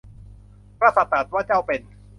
กษัตริย์ตรัสว่า เจ้าเป็น